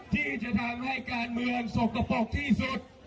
ที่จะทำให้การเมืองสกปรกที่สุด